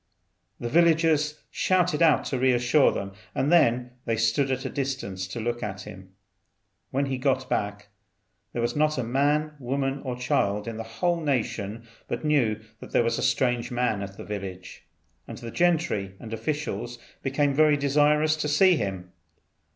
The villagers shouted out to re assure them, and then they stood at a distance to look at him. When he got back, there was not a man, woman, or child in the whole nation but knew that there was a strange man at the village; and the gentry and officials became very desirous to see him.